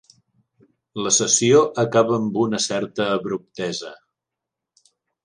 La sessió acaba amb una certa abruptesa.